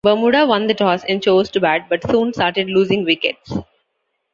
Bermuda won the toss and chose to bat, but soon started losing wickets.